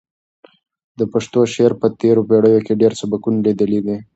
د پښتو شعر په تېرو پېړیو کې ډېر سبکونه لیدلي دي.